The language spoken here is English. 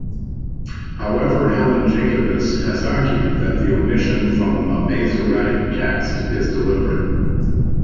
However Helen Jacobus has argued that the omission from the Masoretic text is deliberate.